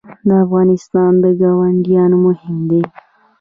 د افغانستان ګاونډیان مهم دي